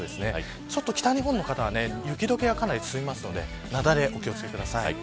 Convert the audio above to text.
北日本の方は、雪解けがかなり進みますので雪崩にお気を付けください。